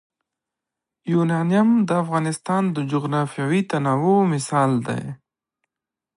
یورانیم د افغانستان د جغرافیوي تنوع مثال دی.